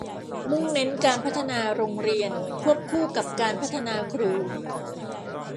มุ่งเน้นการพัฒนาโรงเรียนควบคู่กับการพัฒนาครู